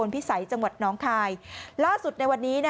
พิสัยจังหวัดน้องคายล่าสุดในวันนี้